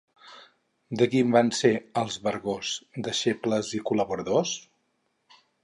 De qui van ser els Vergós deixebles i col·laboradors?